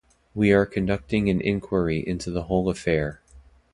We are conducting an enquiry into the whole affair.